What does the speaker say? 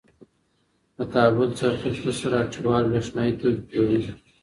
د کابل څرخې پل سره هټیوال بریښنایې توکې پلوری.